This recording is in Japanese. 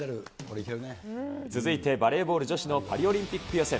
続いてバレーボール女子のパリオリンピック予選。